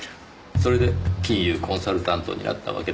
それで金融コンサルタントになったわけですか。